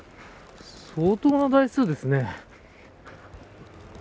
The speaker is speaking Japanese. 相当な台数ですね。